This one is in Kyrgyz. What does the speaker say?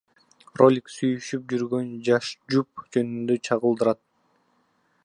Ролик сүйүшүп жүргөн жаш жуп жөнүндө чагылдырат.